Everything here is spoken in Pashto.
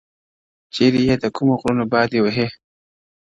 ه چیري یې د کومو غرونو باد دي وهي’